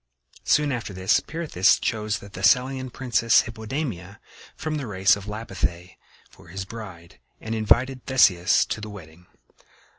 Soon after this Pirithous chose the Thessalian princess, Hippodamia, from the race of Lapithæ, for his bride, and invited Theseus to the wedding.